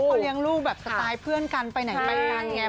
เขาเลี้ยงลูกแบบสไตล์เพื่อนกันไปไหนไปกันไง